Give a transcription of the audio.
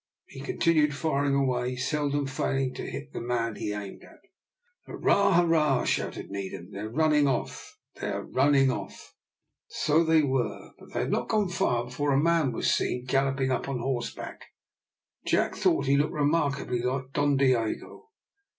He continued firing away, seldom failing to hit the man he aimed at. "Hurrah! hurrah!" shouted Needham. "They are running off, they are running off." So they were, but they had not gone far before a man was seen galloping up on horseback. Jack thought he looked remarkably like Don Diogo.